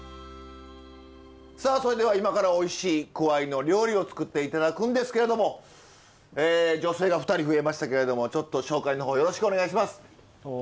さあそれでは今からおいしいくわいの料理を作って頂くんですけれども女性が２人増えましたけれどもちょっと紹介の方よろしくお願いします。